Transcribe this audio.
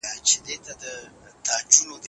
ولې الهي حاكميت په اوسني حكومت كې دسياست نوى علم